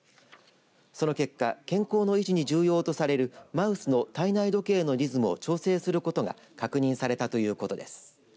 その結果健康の維持に重要とされるマウスの体内時計のリズムを調整することが確認されたということです。